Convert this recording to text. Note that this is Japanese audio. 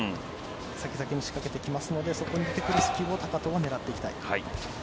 先々に仕掛けてきますのでそこに出てくる隙を高藤は狙っていきたい。